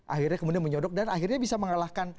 akhirnya kemudian menyodok dan akhirnya bisa mengalahkan